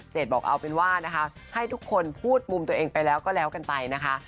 เจดบอกว่าให้ทุกคนพูดมุมตัวเองไปแล้วก็แล้วกันไปนะคะ